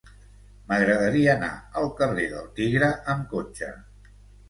M'agradaria anar al carrer del Tigre amb cotxe.